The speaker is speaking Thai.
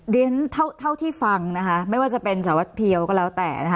เรียนเท่าที่ฟังนะคะไม่ว่าจะเป็นสารวัตรเพียวก็แล้วแต่นะคะ